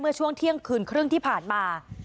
ช่วงเที่ยงคืนครึ่งที่ผ่านมา